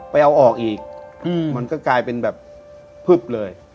ไปเอาออกอีกมันก็กลายเป็นแบบพึบเลย